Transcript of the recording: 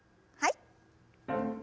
はい。